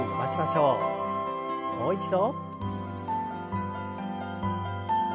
もう一度。